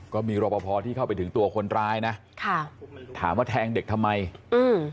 ก็มีรอปภที่เข้าไปถึงตัวคนร้ายนะค่ะถามว่าแทงเด็กทำไมอืม